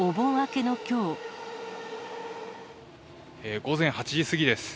午前８時過ぎです。